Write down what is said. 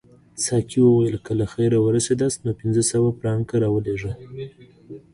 ساقي وویل که له خیره ورسیداست نو پنځه سوه فرانکه راولېږه.